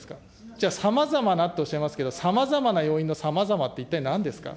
じゃあ、さまざまなとおっしゃいますけれども、さまざまな要因のさまざまって、一体なんですか。